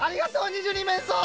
２２めんそう！